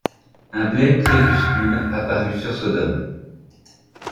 Un blême crépuscule apparut sur Sodome